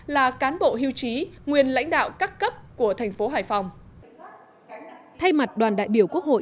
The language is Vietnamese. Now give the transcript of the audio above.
là cán bộ hưu trí nguyên lãnh đạo các cấp của thành phố hải phòng thay mặt đoàn đại biểu quốc hội